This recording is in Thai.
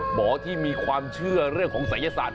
หมอที่มีความเชื่อเรื่องของศัยศาสต